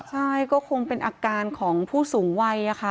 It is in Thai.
ใช่ก็คงเป็นอาการของผู้สูงวัยค่ะ